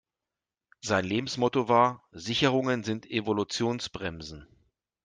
Sein Lebensmotto war: Sicherungen sind Evolutionsbremsen.